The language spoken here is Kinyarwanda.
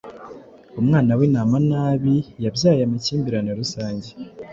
Umwana w'intama nabi yabyaye amakimbirane rusange